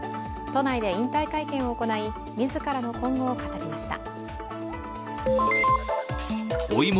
都内で引退会見を行い、自らの今後を語りました。